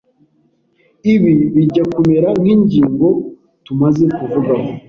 Ibi bijya kumera nk’ingingo tumaze kuvugaho